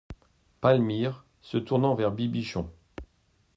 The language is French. Palmyre, se tournant vers Bibichon.